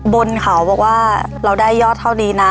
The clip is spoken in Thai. บนเขาบอกว่าเราได้ยอดเท่านี้นะ